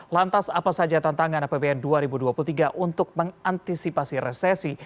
lantas apa saja tantangan apbn dua ribu dua puluh tiga untuk mengantisipasi resesi